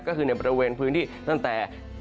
ก็คือในบริเวณพื้นที่ตั้งแต่